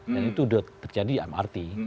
dan itu sudah terjadi di mrt